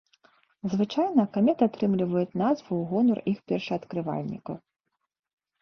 Звычайна каметы атрымліваюць назву ў гонар іх першаадкрывальнікаў.